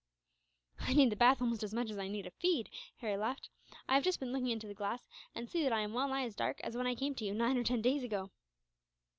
"I need the bath almost as much as I need a feed," Harry laughed. "I have just been looking into the glass, and I see that I am well nigh as dark as when I came to you, nine or ten days ago."